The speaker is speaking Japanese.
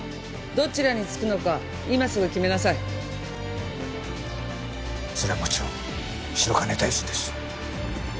どちらにつくのか今すぐ決めなさいそれはもちろん白金大臣です